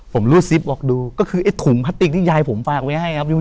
ผมรูดซิปออกดูก็คือไอ้ถุงพลาสติกที่ยายผมฝากไว้ให้ครับ